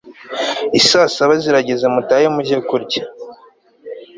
isaa saba zirageze mutahe mujye kurya